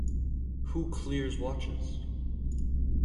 Who clears watches?